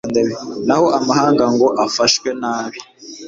Naho amahanga ngo afashwe nabi